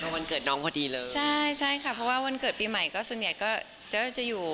วันเกิดน้องพอดีเลยใช่ใช่ค่ะเพราะว่าวันเกิดปีใหม่ก็ส่วนใหญ่ก็จะจะอยู่